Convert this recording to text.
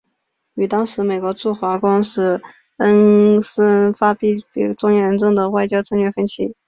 与当时美国驻华公使芮恩施发生严重的外交策略分歧。